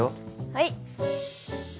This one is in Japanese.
はい。